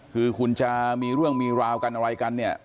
คือคุณจะมีเรื่องมีราวกันอะไรกันเนี่ย